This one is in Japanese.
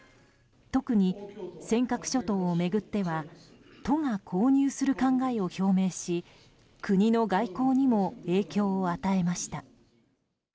特に、尖閣諸島を巡っては都が購入する考えを表明し国の外交にも影響を与えました。